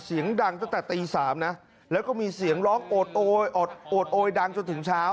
เสียงดังตั้งแต่ตี๓นะแล้วก็มีเสียงร้องโอดโอดโอยดังจนถึงเช้า